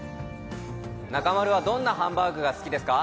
中丸はどんなハンバーグが好きですか？